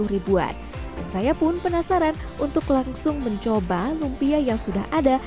dan saya pun penasaran untuk langsung mencoba lumpia yang sudah ada